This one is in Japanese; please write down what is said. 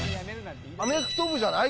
アメフト部じゃない？